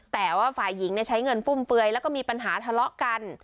แต่ว่าฝ่ายหญิงใช้เงินฟุ่มเฟือยแล้วก็มีปัญหาทะเลาะกัน